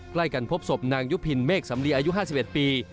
ใกล้กันพบศพนางยุพินเมฆสำลีอายุ๕๑ปี